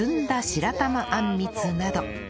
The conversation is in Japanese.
白玉あんみつなど